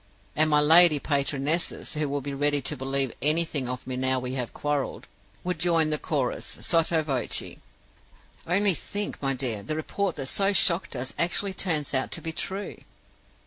And my lady patronesses, who will be ready to believe anything of me now we have quarreled, would join the chorus sotto voce: 'Only think, my dear, the report that so shocked us actually turns out to be true!